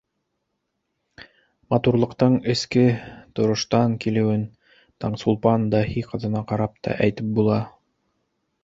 Матурлыҡтың эске тороштан килеүен Таңсулпан Даһи ҡыҙына ҡарап та әйтеп була.